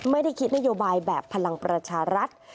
ไม่ได้คิดนโยบายแบบพลังประชารัฐ